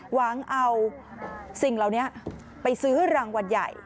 หวังเอาสิ่งเหล่านี้ไปซื้อรางวัลใหญ่